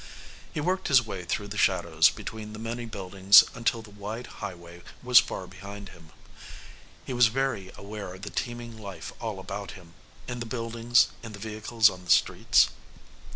He worked his way through the shadows between the many buildings until the wide highway was far behind him. He was very aware of the teeming life all about him in the buildings, in the vehicles on the streets.